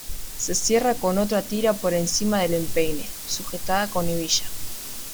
Se cierra con otra tira por encima del empeine, sujetada con hebilla.